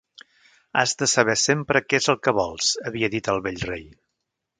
"Has de saber sempre què és el que vols" havia dit el vell rei.